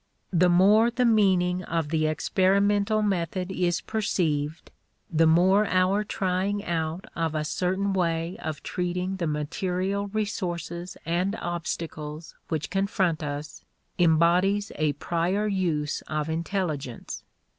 The more the meaning of the experimental method is perceived, the more our trying out of a certain way of treating the material resources and obstacles which confront us embodies a prior use of intelligence.